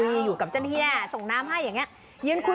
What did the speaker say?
พูดสิบน้ำให้เนี่ย